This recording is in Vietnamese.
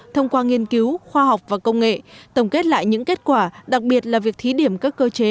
thông qua nghiên cứu khoa học và công nghệ tổng kết lại những kết quả đặc biệt là việc thí điểm các cơ chế